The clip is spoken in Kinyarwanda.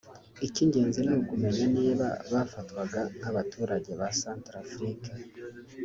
Icy’ingenzi ni ukumenya niba bafatwaga nk’abaturage ba Centrafrique